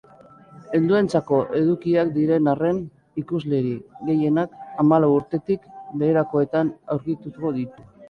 Helduentzako edukiak diren arren, ikuslerik gehienak hamalau urtetik beherakoetan aurkituko ditu.